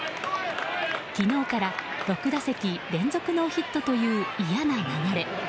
昨日から６打席連続ノーヒットという嫌な流れ。